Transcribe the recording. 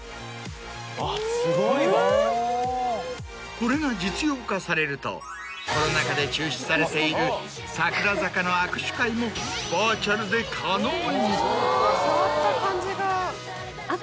これが実用化されるとコロナ禍で中止されている櫻坂の握手会もバーチャルで可能に。